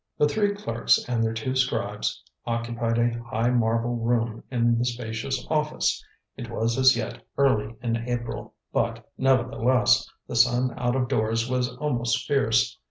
The three clerks and their two scribes occupied a high marble room in the spacious office. It was as yet early in April, but, nevertheless, the sun out of doors was almost fierce.